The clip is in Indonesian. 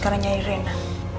karena nyai rena